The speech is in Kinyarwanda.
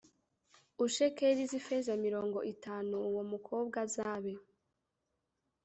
Ushekeli z ifeza mirongo itanu uwo mukobwa azabe